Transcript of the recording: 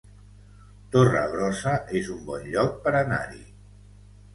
Torregrossa es un bon lloc per anar-hi